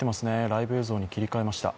ライブ映像に切り替えました。